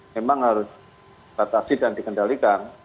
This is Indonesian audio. memang harus batasi dan dikendalikan